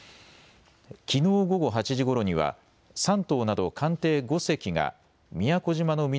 きのう午後８時ごろには山東など艦艇５隻が宮古島の南